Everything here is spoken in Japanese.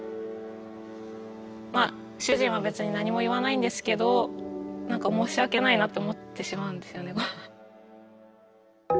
まあ主人は別に何も言わないんですけど何か申し訳ないなって思ってしまうんですよね。